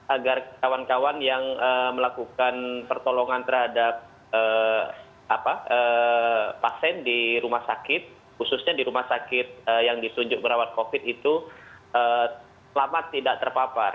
agar kawan kawan yang melakukan pertolongan terhadap pasien di rumah sakit khususnya di rumah sakit yang ditunjuk merawat covid itu selamat tidak terpapar